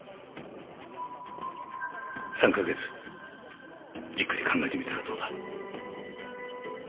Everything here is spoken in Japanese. ３カ月じっくり考えてみたらどうだ？